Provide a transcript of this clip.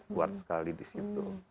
kuat sekali di situ